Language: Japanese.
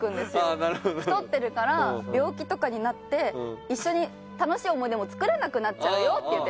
「太ってるから病気とかになって一緒に楽しい思い出も作れなくなっちゃうよ」って言って。